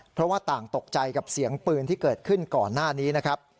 เพราะว่าต่างตกใจกับเสียงปืนที่เกิดขึ้นก่อนหน้านี้นะครับ